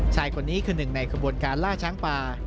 ชายคนนี้คือหนึ่งในขบวนการล่าช้างป่า